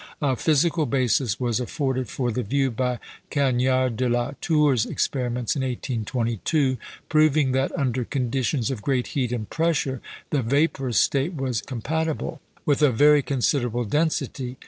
A physical basis was afforded for the view by Cagniard de la Tour's experiments in 1822, proving that, under conditions of great heat and pressure, the vaporous state was compatible with a very considerable density.